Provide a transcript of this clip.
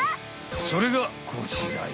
それがこちらよ。